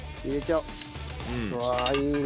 うわいいね。